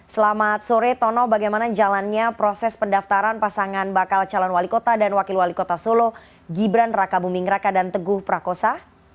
selamat sore tono bagaimana jalannya proses pendaftaran pasangan bakal calon wali kota dan wakil wali kota solo gibran raka buming raka dan teguh prakosa